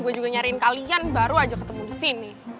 gue juga nyariin kalian baru aja ketemu di sini